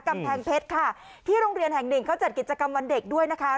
กำแพงเพชรค่ะที่โรงเรียนแห่งหนึ่งเขาจัดกิจกรรมวันเด็กด้วยนะคะ